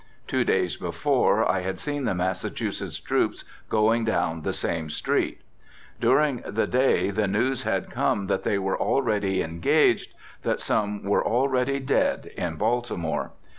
Two days before, I had seen the Massachusetts troops going down the same street. During the day the news had come that they were already engaged, that some were already dead in Baltimore.